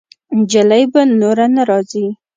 جلۍ به نوره نه راځي.